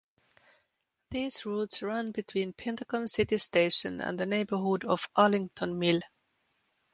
These routes runs between Pentagon City Station and the neighborhood of Arlington Mill.